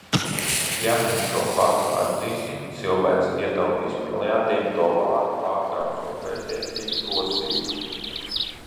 Ja mēs šo faktu atzīsim, cilvēce ietaupīs miljardiem dolāru, pārtraucot bezjēdzīgu rosību.